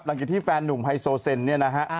หลังจากที่แฟนหนุ่มไฮโซเซนเนี่ยนะฮะ